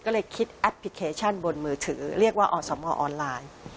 ก็เลยคิดแอปพลิเคชันบนมือถือเรียกว่าอสมออนไลน์